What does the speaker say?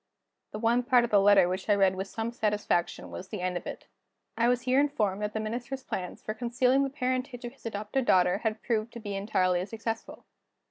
The one part of the letter which I read with some satisfaction was the end of it. I was here informed that the Minister's plans for concealing the parentage of his adopted daughter had proved to be entirely successful.